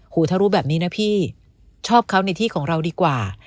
ถ้ารู้แบบนี้นะพี่ชอบเขาในที่ของเราดีกว่า